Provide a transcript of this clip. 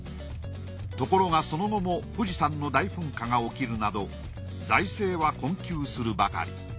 ところがその後も富士山の大噴火が起きるなど財政は困窮するばかり。